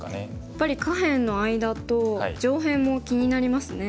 やっぱり下辺の間と上辺も気になりますね。